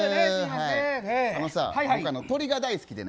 あのさ、僕、鳥が大好きでね。